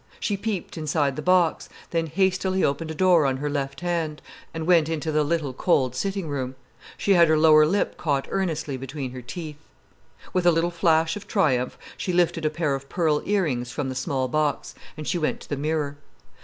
She peeped inside the box, then hastily opened a door on her left hand, and went into the little, cold sitting room. She had her lower lip caught earnestly between her teeth. With a little flash of triumph, she lifted a pair of pearl ear rings from the small box, and she went to the mirror.